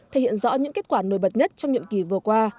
thể hiện rõ những kết quả nổi bật nhất trong nhiệm kỳ vừa qua